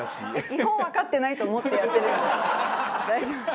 基本わかってないと思ってやってるので大丈夫です。